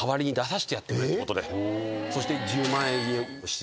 そして。